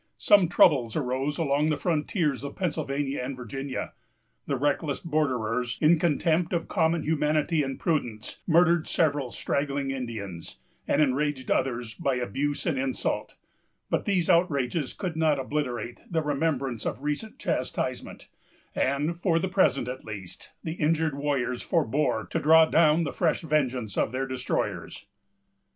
Some troubles arose along the frontiers of Pennsylvania and Virginia. The reckless borderers, in contempt of common humanity and prudence, murdered several straggling Indians, and enraged others by abuse and insult; but these outrages could not obliterate the remembrance of recent chastisement, and, for the present at least, the injured warriors forbore to draw down the fresh vengeance of their destroyers.